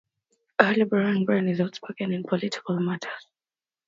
A liberal, Grahn is outspoken in political matters.